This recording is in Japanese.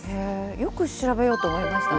よく調べようと思いましたね。